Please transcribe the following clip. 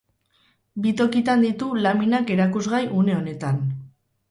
Bi tokitan ditu laminak erakusgai une honetan.